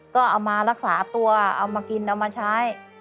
ก็เอามารักษาตัวเอามากินเอามาใช้